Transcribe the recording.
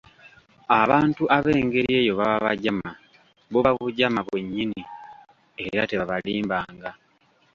Abantu ab'engeri eyo baba bajama, buba bujama, bwe nyinni, era tebabalimbanga.